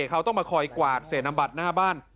เขาต้องมาคอยกวาดเศษน้ำบัตรหน้าบ้าน